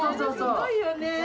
すごいよね！